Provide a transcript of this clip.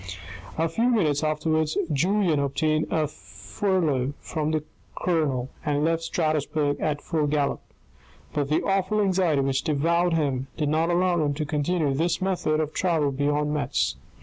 A few minutes afterwards, Julien obtained a furlough from the colonel, and left Strasbourg at full gallop : But the awful anxiety which devoured him did not allow him to continue this method of travel beyond Metz.